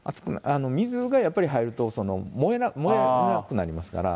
水が入ると、燃えなくなりますから。